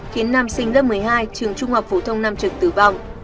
khiến nam sinh lớp một mươi hai trường trung học phổ thông nam trực tử vong